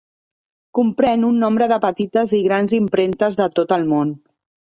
Comprèn un nombre de petites i grans impremtes de tot el món.